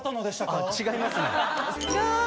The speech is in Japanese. あ違いますね。